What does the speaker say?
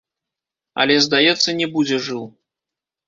Але здаецца, не будзе жыў.